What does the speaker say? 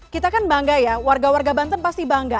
kita kan bangga ya warga warga banten pasti bangga